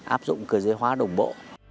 áp dụng cờ dây hóa đồng bộ